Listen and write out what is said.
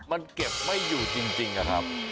มันเก็บไม่อยู่จริงนะครับ